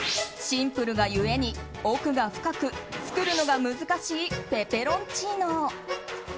シンプルが故に奥が深く作るのが難しいペペロンチーノ。